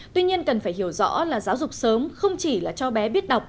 tuy nhiên cần phải hiểu rõ là giáo dục sớm không chỉ là cho bé biết đọc